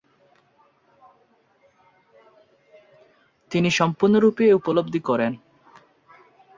তিনি সম্পূর্ণরূপে উপলব্ধি করেন।